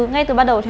ngay từ ban đầu